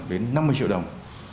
đến năm mươi triệu đồng